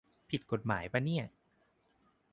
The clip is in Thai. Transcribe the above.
ผิดกฎหมายป่าวเนี่ย